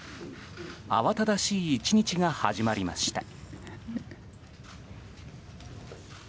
慌ただしい１日が始まりました。